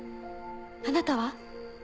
あなたは？